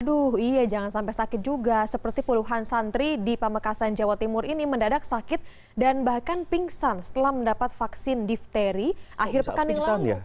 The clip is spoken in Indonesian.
aduh iya jangan sampai sakit juga seperti puluhan santri di pamekasan jawa timur ini mendadak sakit dan bahkan pingsan setelah mendapat vaksin difteri akhir pekan yang lalu